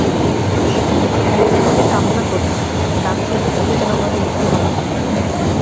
মনে মনে কামনা করি, গান শুনতে শুনতে যেন আমার মৃত্যু হয়।